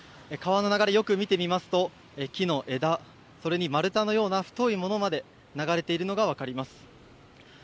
川の流れ、よく見てみますと木の枝、それに丸太のような太いものまで流れているのが分かります。